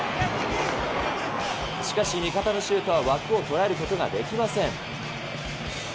しかし、味方のシュートは枠を捉えることができません。